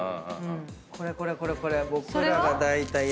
これこれこれこれ！